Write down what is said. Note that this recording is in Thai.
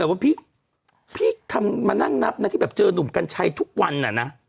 แมวเมพี่ถ้ามานั่งนับที่เจอนุ่มกันชัยทุกวันน่ะนะ